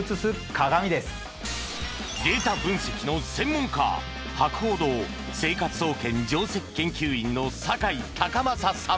データ分析の専門家博報堂生活総研上席研究員の酒井崇匡さん